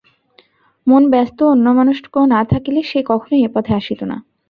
মন ব্যস্ত ও অন্যমনস্ক না থাকিলে সে কখনই এপথে আসিত না।